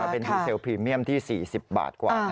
เป็นดีเซลพรีเมียมที่๔๐บาทกว่า